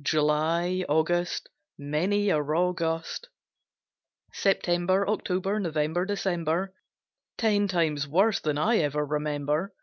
July, August, Many a raw gust; September, October, November, December, Ten times worse than I ever remember.